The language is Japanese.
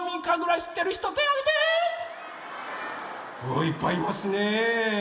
あいっぱいいますね！